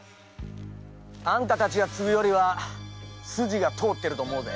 あんたたちが継ぐよりは筋が通ってると思うぜ！